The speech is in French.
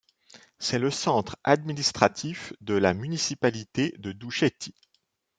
C'est le centre administratif de la municipalité de Doucheti.